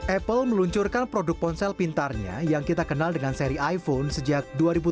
apple meluncurkan produk ponsel pintarnya yang kita kenal dengan seri iphone sejak dua ribu tujuh belas